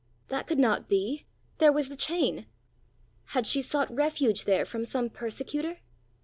That could not be: there was the chain! Had she sought refuge there from some persecutor?